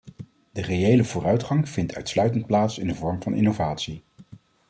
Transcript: De reële vooruitgang vindt uitsluitend plaats in de vorm van innovatie.